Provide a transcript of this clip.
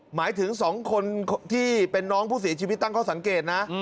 หมายถึง๒คนที่เป็นน้องผู้เสียชีวิตตั้งข้อสังเกตนะ